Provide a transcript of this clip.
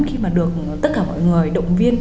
khi mà được tất cả mọi người động viên